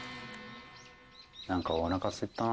なんかおなかすいたな。